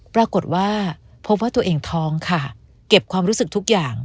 ปรากฏว่าพบว่าตัวเองท้องค่ะเก็บความรู้สึกทุกอย่าง